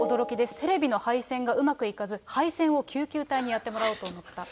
テレビの配線がうまくいかず、配線を救急隊にやってもらおうと思った。